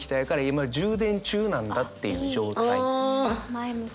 前向き。